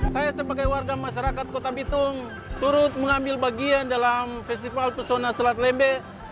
saya sebagai warga masyarakat kota bitung turut mengambil bagian dalam festival pesona selat lembe